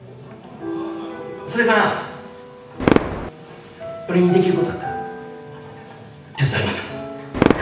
それから俺にできることあったら手伝います。